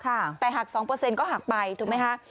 แต่หัก๒ก็หักไปถูกไหมคะ